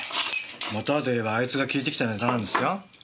もとはといえばあいつが聞いてきたネタなんですよ。